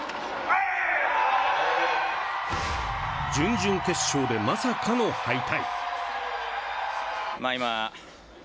準々決勝で、まさかの敗退。